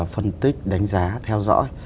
phân tích đánh giá theo dõi